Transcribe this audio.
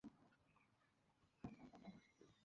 তোর ফেবারিটদের নাম বর্ণমালার ক্রমানুসারে তালিকাবদ্ধ কর।